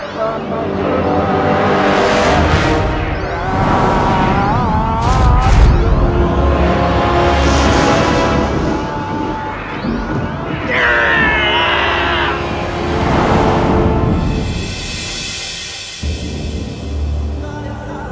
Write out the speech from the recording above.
sudah selesai raden